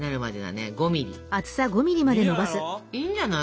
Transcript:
いいんじゃない。